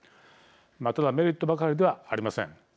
ただ、メリットばかりではありません。